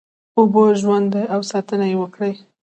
اوبه ژوند دی او ساتنه یې وکړی